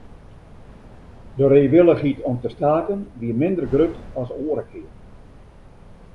De reewillichheid om te staken wie minder grut as oare kearen.